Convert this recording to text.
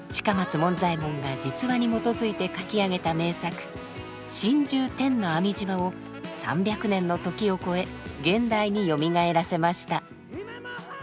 近松門左衛門が実話に基づいて書き上げた名作「心中天網島」を３００年の時を超え現代によみがえらせました。